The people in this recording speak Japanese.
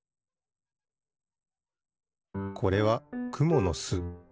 これはくものす。